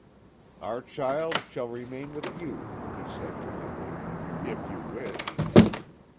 "'Our child shall remain with you,' he said to my lady, 'if you wish.'